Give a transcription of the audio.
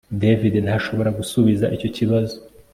David ntashobora gusubiza icyo kibazo